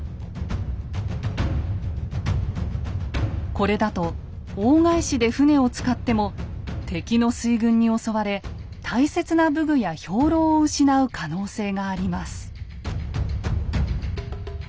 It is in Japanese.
これだと大返しで船を使っても敵の水軍に襲われ大切な武具や兵糧を失う可能性があります。